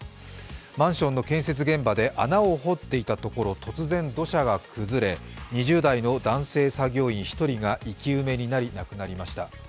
マンションの建設現場で穴を掘っていたところ突然、土砂が崩れ、２０代の男性作業員１人が生き埋めになり亡くなりました。